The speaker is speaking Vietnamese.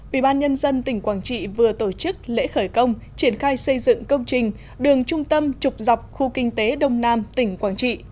ubnd tỉnh quảng trị vừa tổ chức lễ khởi công triển khai xây dựng công trình đường trung tâm trục dọc khu kinh tế đông nam tỉnh quảng trị